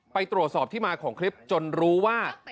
ไปตรวจสอบที่มาของคลิปจนรู้ว่า